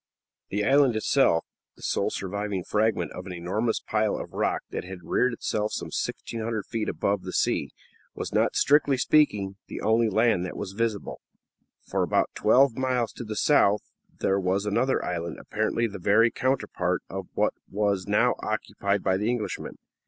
The island itself, the sole surviving fragment of an enormous pile of rock that had reared itself some 1,600 feet above the sea, was not, strictly speaking, the only land that was visible; for about twelve miles to the south there was another island, apparently the very counterpart of what was now occupied by the Englishmen.